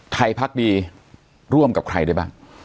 พักดีร่วมกับใครได้บ้าง